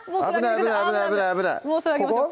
危ない危ない危ないここ？